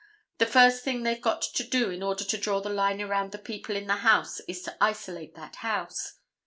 The first thing they've got to do in order to draw the line around the people in the house is to isolate that house.